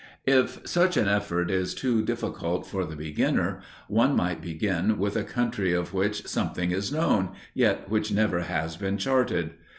If such an effort is too difficult for the beginner, one might begin with a country of which something is known, yet which never has been charted.